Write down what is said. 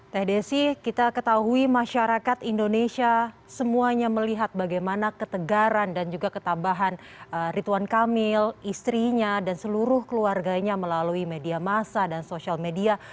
teh desi kita ketahui masyarakat indonesia semuanya melihat bagaimana ketegaran dan juga ketambahan rituan kamil istrinya dan seluruh keluarganya melalui media masa dan sosial media